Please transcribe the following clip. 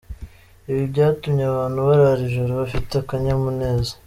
Ibi byatumye abantu barara ijoro bafite akanyamuneza.